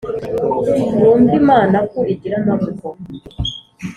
mwumve imana ko igira amaboko